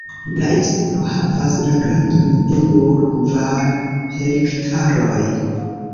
La insulo havas la grandon de nur kvar hektaroj.